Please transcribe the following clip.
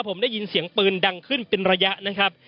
ผมได้ยินเสียงปืนดังขึ้นเป็นระยะนะครับ